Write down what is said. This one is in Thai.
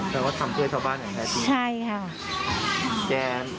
คือว่าทำช่วยชาวบ้านอย่างแบบนี้เหรอคะใช่ค่ะ